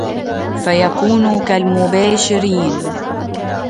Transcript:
فَيَكُونُونَ كَالْمُبَاشِرِينَ